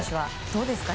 どうですか？